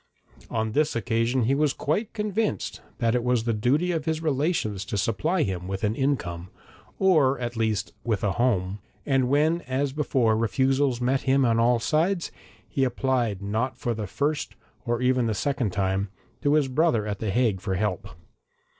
On this occasion he was quite convinced that it was the duty of his relations to supply him with an income, or at least with a home, and when as before refusals met him on all sides, he applied not for the first or even the second time, to his brother at the Hague for help.